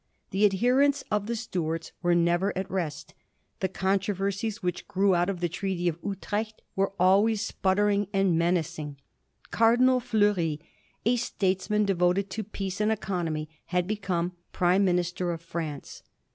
The adherents of the Stuarts were never at rest ; the controversies which grew out of the Treaty of Utrecht were always sputtering and menacing. Cardinal Fleury, a statesman devoted to peace and economy, had become Prime Minister of France.